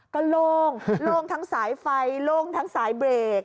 ก็โล่งโล่งทั้งสายไฟโล่งทั้งสายเบรก